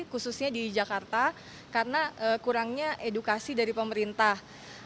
khususnya di jakarta karena kurangnya edukasi dari pemerintah